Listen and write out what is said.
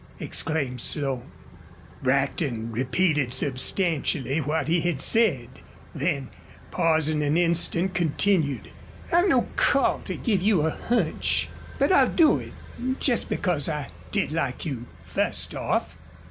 exclaimed Slone. Brackton repeated substantially what he had said, then, pausing an instant, continued: "I've no call to give you a hunch, but I'll do it jest because I did like you fust off."